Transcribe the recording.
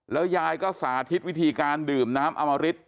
แล้วยายก็สาธิตวิธีการดื่มน้ำอมริต